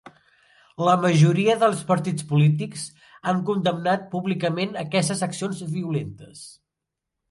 La majoria dels partits polítics han condemnat públicament aquestes accions violentes.